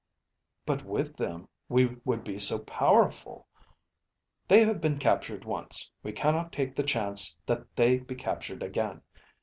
"But with them we would be so powerful...." "They have been captured once; we cannot take the chance that they be captured again.